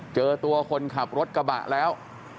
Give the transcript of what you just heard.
เจอตัวคนขับรถกระบะแล้ว